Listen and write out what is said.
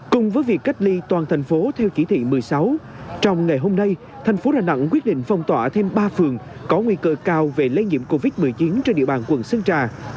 cùng với việc cách ly toàn thành phố theo chỉ thị một mươi sáu trong ngày hôm nay thành phố đà nẵng quyết định phong tỏa thêm ba phường có nguy cơ cao về lây nhiễm covid một mươi chín trên địa bàn quận sơn trà